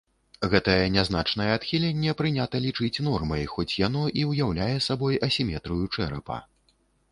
Гэтае нязначнае адхіленне прынята лічыць нормай, хоць яно і ўяўляе сабой асіметрыю чэрапа.